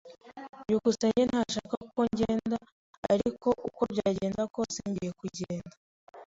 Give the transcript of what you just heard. byukusenge ntashaka ko ngenda, ariko uko byagenda kose ngiye kugenda.